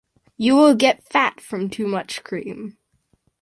You will get fat from to much cream!